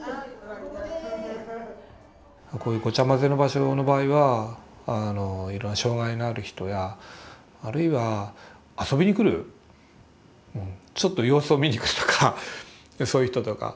こういうごちゃまぜの場所の場合はあのいろんな障害のある人やあるいは遊びに来るちょっと様子を見に来るとかそういう人とか。